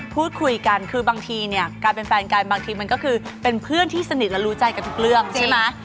พูดคุยกันคือบางทีเนี่ยการเป็นแฟนกันบางทีมันก็คือเป็นเพื่อนที่สนิทและรู้ใจกันทุกเรื่องใช่ไหม